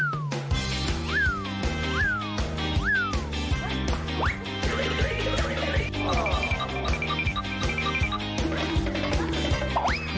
มั้งจบ